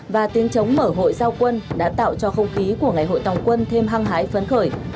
và tiếng chống mở hội giao quân đã tạo cho không khí của ngày hội tòng quân thêm hăng hái phấn khởi